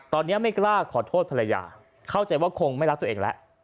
ตอนนี้ไม่กล้าขอโทษภรรยาเข้าใจว่าคงไม่รักตัวเองแล้ว